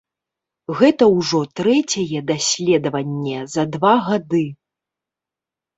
Гэта ўжо трэцяе даследаванне за два гады.